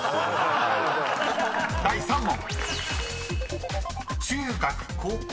［第３問］